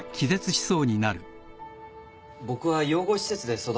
僕は養護施設で育ったんです。